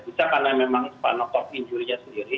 bisa karena memang spinal cord injury nya sendiri